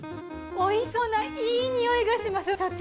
おいしそうないい匂いがしますよ社長。